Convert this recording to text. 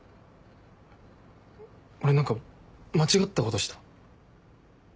俺何か間違ったことした？